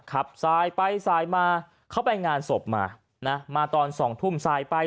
ขับสายไปสายมาเขาไปงานศพมานะมาตอนสองทุ่มสายไป